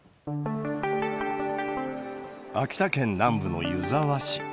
秋田県南部の湯沢市。